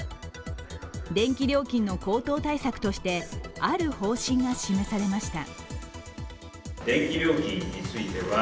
電気料金の高騰対策としてある方針が示されました。